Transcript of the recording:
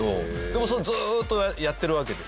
でもそれずっとやってるわけですよ。